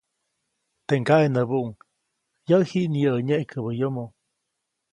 Teʼ ŋgaʼe näbuʼuŋ, -yäʼ jiʼnyäʼä nyeʼkäbä yomo-.